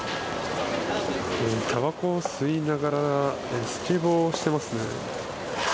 たばこを吸いながらスケボーをしていますね。